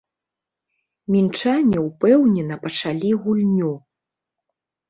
Мінчане ўпэўнена пачалі гульню.